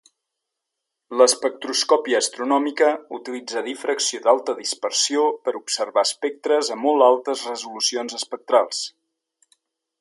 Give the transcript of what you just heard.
L'espectroscòpia astronòmica utilitza difracció d'alta dispersió per observar espectres a molt altes resolucions espectrals.